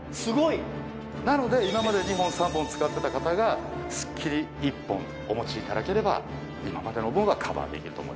なので今まで２本３本使ってた方がすっきり１本お持ちいただければ今までの分はカバーできると思います。